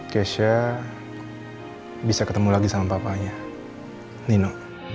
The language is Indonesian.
kesha bisa ketemu lagi sama papanya nino